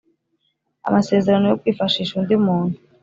Amasezerano yo kwifashisha undi muntu